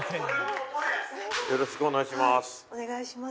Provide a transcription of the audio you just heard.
よろしくお願いします。